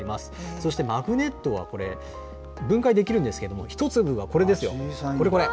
そしてマグネットはこれ、分解できるんですけれども、１粒がこれですよ、これこれ。